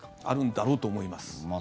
あるんだろうと思います。